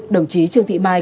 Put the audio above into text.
đồng chí trương thị mai